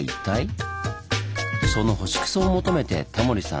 その星糞を求めてタモリさん